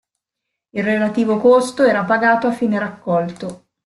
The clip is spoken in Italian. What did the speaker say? Il relativo costo era pagato a fine raccolto.